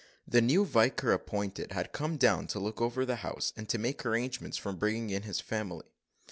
The new vicar appointed, had come down to look over the house, and to make arrangements for bringing in his family.